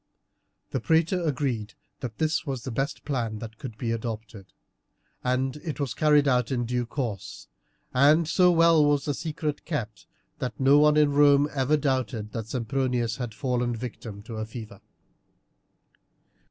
The praetor agreed that this was the best plan that could be adopted, and it was carried out in due course, and so well was the secret kept that no one in Rome ever doubted that Sempronius had fallen a victim to fever.